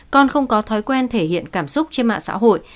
con không có thói quen thể hiện cảm xúc trên mạng xã hội